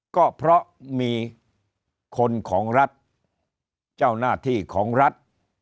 ก็เพราะมีคนของรัฐเจ้าหน้าที่ของรัฐ